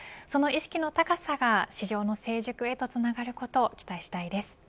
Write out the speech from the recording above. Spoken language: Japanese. その意識の高さが市場の成熟へとつながることを期待したいです。